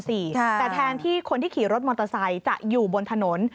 แต่แทนที่คนที่ขี่รถมอเตอร์ไซค์จะอยู่บนถนน